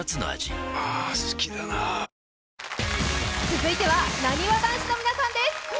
続いてはなにわ男子の皆さんです。